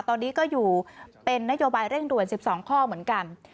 ตอนนี้ก็อยู่เป็นนโยบายเร่งด่วน๑๒ข้อเหมือนกัน